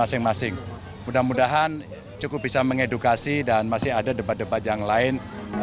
saya berharap mereka bisa mengedukasi dan masih ada debat debat yang lain